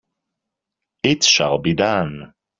It shall be done!